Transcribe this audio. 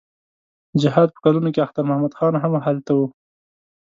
د جهاد په کلونو کې اختر محمد خان هم هلته و.